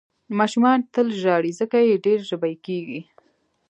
ماشومان تل ژاړي، ځکه یې ډېر ژبۍ کېږي.